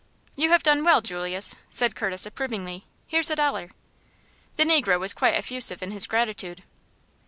"You have done well, Julius," said Curtis, approvingly. "Here's a dollar!" The negro was quite effusive in his gratitude.